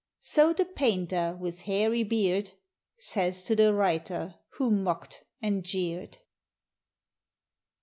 So the Painter with hairy beard Says to the Writer who mocked and jeered.